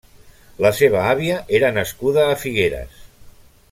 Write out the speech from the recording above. La seva àvia era nascuda a Figueres.